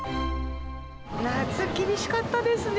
夏、厳しかったですね。